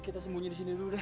kita sembunyi disini dulu deh